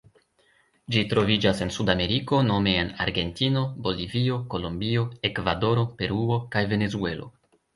Ĝi troviĝas en Sudameriko nome en Argentino, Bolivio, Kolombio, Ekvadoro, Peruo kaj Venezuelo.